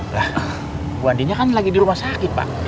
bu andi kan lagi di rumah sakit pak